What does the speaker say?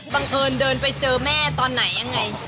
บังเอิญเดินไปเจอแม่ตอนไหนยังไง